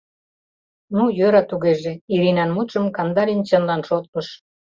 — Ну, йӧра тугеже, — Иринан мутшым Кандалин чынлан шотлыш.